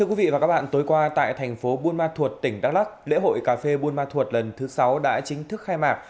quý vị và các bạn tối qua tại thành phố buôn ma thuột tỉnh đắk lắc lễ hội cà phê buôn ma thuột lần thứ sáu đã chính thức khai mạc